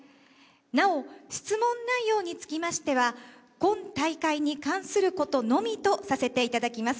なお、質問内容につきましては、今大会に関することのみとさせていただきます。